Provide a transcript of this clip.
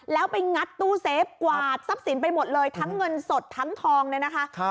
แล้วไปงัดตู้เซฟกวาดทรัพย์สินไปหมดเลยทั้งเงินสดทั้งทองเนี่ยนะคะ